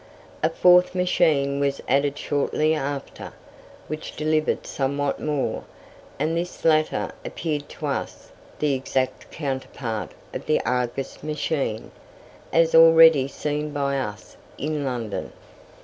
A fourth machine was added shortly after, which delivered somewhat more; and this latter appeared to us the exact counterpart of "The Argus" machine, as already seen by us in London.